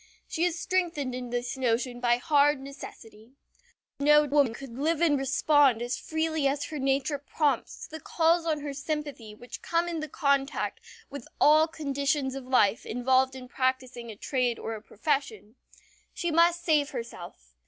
She is strengthened in this notion by hard necessity. No woman could live and respond as freely as her nature prompts to the calls on her sympathy which come in the contact with all conditions of life involved in practicing a trade or a profession. She must save herself.